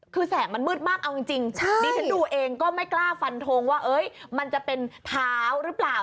คือแสงมันมืดมากเอาจริงดิฉันดูเองก็ไม่กล้าฟันทงว่ามันจะเป็นเท้าหรือเปล่า